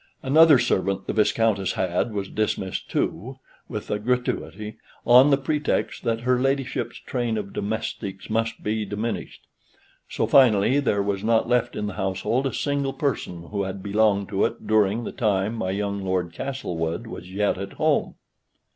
Another servant the Viscountess had was dismissed too with a gratuity on the pretext that her ladyship's train of domestics must be diminished; so, finally, there was not left in the household a single person who had belonged to it during the time my young Lord Castlewood was yet at home.